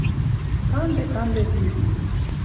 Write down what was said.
Канде-канде вӱд...